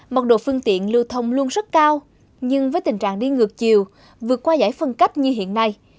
mật độ phương tiện lưu thông luôn rất cao nhưng với tình trạng đi ngược chiều vượt qua giải phân cách như hiện nay